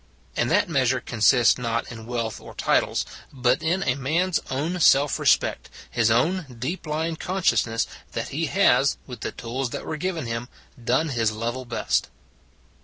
And that measure consists not in wealth or titles, but in a man s own self respect, his own deep lying consciousness that he has, with the tools that were given him, done his level best.